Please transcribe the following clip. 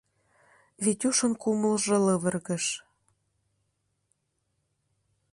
— Витюшын кумылжо лывыргыш.